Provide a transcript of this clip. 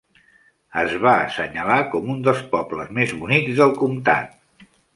Es va assenyalar com un dels pobles més bonics del comtat.